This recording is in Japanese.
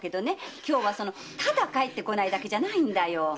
今日はただ帰ってこないだけじゃないんだよ。